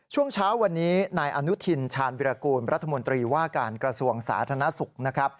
ช่วงเช้าวันนี้นายอนุทินชาญวิรากูลรัฐมนตรีว่าการกระทรวงสาธารณสุขนะครับ